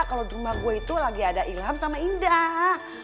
kalau di rumah gue itu lagi ada ilham sama indah